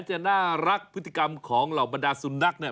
จะน่ารักพฤติกรรมของเหล่าบรรดาสุนัขเนี่ย